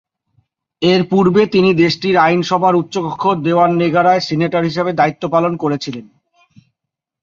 এর পূর্বে তিনি দেশটির আইনসভার উচ্চকক্ষ দেওয়ান নেগারায় সিনেটর হিসেবে দায়িত্ব পালন করেছিলেন।